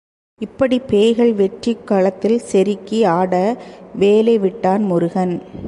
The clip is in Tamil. இப்படிப் பேய்கள் வெற்றிக் களத்தில் செருக்கி ஆட வேலை விட்டான் முருகன்.